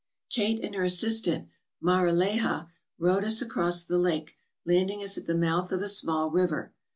Kate and her assistant, Marileha, rowed us across the lake, landing us at the mouth of a small river.